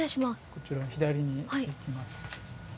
こちらを左に行きます。